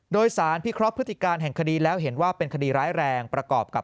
โดยสารพิเคราะห์พฤติการแห่งคดีแล้วเห็นว่าเป็นคดีร้ายแรงประกอบกับ